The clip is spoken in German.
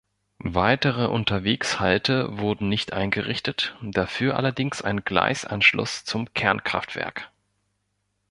Weitere Unterwegshalte wurden nicht eingerichtet, dafür allerdings ein Gleisanschluss zum Kernkraftwerk.